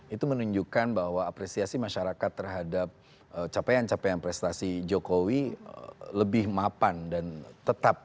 itu menunjukkan bahwa apresiasi masyarakat terhadap capaian capaian prestasi jokowi lebih mapan dan tetap